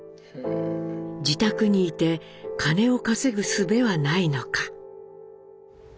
自宅にいて金を稼ぐすべはないのか？